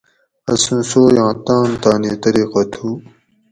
اسوں سویاں تان تانی طریقہ تھو